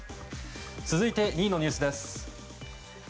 続いて、２位のニュースです。